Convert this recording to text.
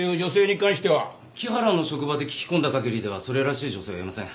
木原の職場で聞き込んだ限りではそれらしい女性はいません。